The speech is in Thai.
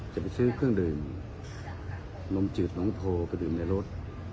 จะไปซื้อเครื่องดื่มนมจืดน้องโพไปดื่มในรถ